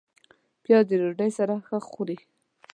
پیاز د ډوډۍ سره ښه خوري